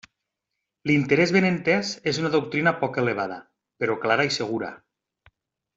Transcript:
L'interès ben entès és una doctrina poc elevada, però clara i segura.